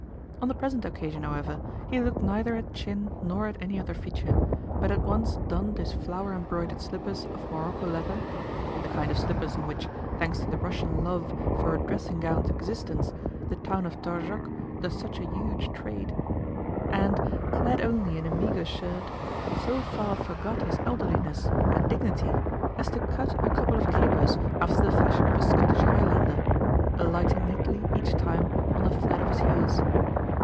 On the present occasion, however, he looked neither at chin nor at any other feature, but at once donned his flower embroidered slippers of morroco leather (the kind of slippers in which, thanks to the Russian love for a dressing gowned existence, the town of Torzhok does such a huge trade), and, clad only in a meagre shirt, so far forgot his elderliness and dignity as to cut a couple of capers after the fashion of a Scottish highlander alighting neatly, each time, on the flat of his heels.